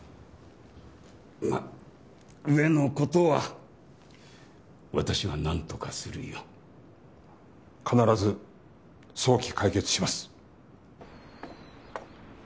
まあ上の事は私がなんとかするよ。必ず早期解決します。